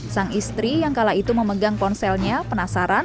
sang istri yang kala itu memegang ponselnya penasaran